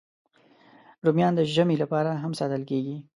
رومیان د ژمي لپاره هم ساتل کېږي